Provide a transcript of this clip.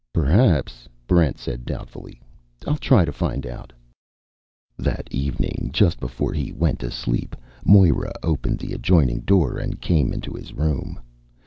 "Perhaps," Barrent said doubtfully. "I'll try to find out." That evening, just before he went to sleep, Moera opened the adjoining door and came into his room.